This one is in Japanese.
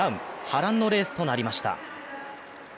波乱のレースとなりました。